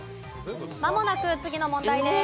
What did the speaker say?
まもなく次の問題です。